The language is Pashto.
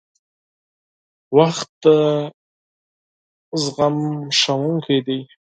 • وخت د صبر ښوونکی دی.